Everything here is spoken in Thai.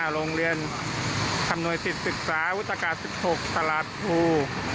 โรงเรียนอำนวยสิทธิศึกษาวุฒากาศ๑๖ตลาดภู